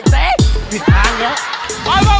เจ๊ปิดทางแล้ว